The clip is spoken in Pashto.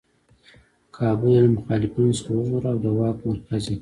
کابل یې له مخالفینو څخه وژغوره او د واک مرکز یې کړ.